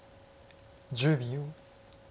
１０秒。